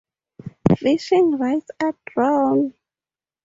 Fishing rights are drawn.